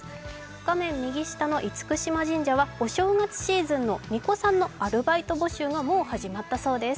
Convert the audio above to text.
画面右下の厳島神社はお正月シーズンのみこさんのアルバイト募集がもう始まったそうです。